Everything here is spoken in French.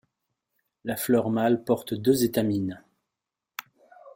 La fleur mâle porte deux étamines.